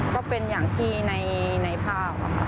ก็เป็นอย่างที่ในภาพค่ะ